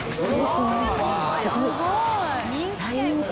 すごい。